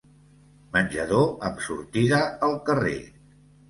Menjador amb sortida al carrer.